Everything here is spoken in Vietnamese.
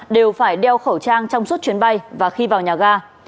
đều phải đeo khẩu trang trong suốt chuyến bay và khi vào nhà ga